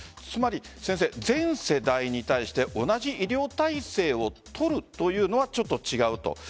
つまり全世代に対して同じ医療体制を取るというのはちょっと違うと。